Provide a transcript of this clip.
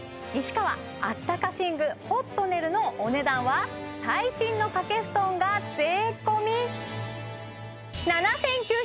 西川あったか寝具ホットネルのお値段は最新のかけ布団が税込えっ